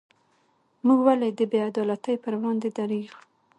موږ ولې د بې عدالتۍ پر وړاندې دریږو؟